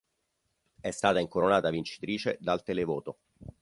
È stata incoronata vincitrice dal televoto.